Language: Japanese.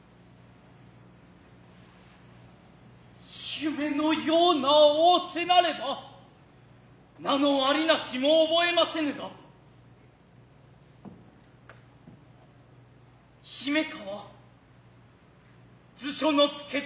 夢のやうな仰せなれば名のありなしも覚えませぬが姫川図書之助と申します。